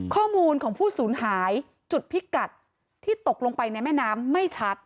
ข้อมูลของผู้สูญหายจุดพิกัดที่ตกลงไปในแม่น้ำไม่ชัด